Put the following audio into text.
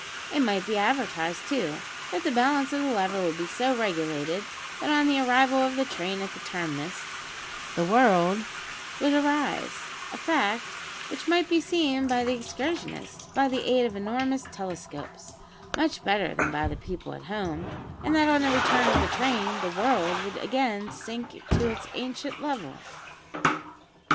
It might be advertised, too, that the balance of the lever would be so regulated, that, on the arrival of the train at the terminus, the world would rise (a fact which might be seen by the excursionists, by the aid of enormous telescopes, much better than by the people at home), and that, on the return of the train, the world would again sink to its ancient level.